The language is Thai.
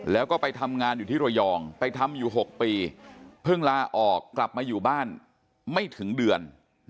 แล้วก็ไปทำงานอยู่ที่ระยองไปทำอยู่๖ปีเพิ่งลาออกกลับมาอยู่บ้านไม่ถึงเดือน